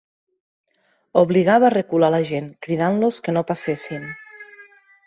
...obligava a recular la gent, cridant-los que no passessin